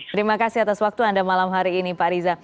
terima kasih atas waktu anda malam hari ini pak riza